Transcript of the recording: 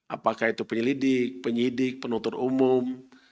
apakah itu penyelidik penyidik penuntut umum